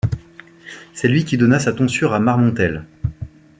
C'est lui qui donna sa tonsure à Marmontel.